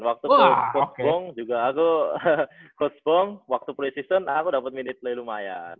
waktu coach bong juga aku coach bong waktu pre season aku dapet minute play lumayan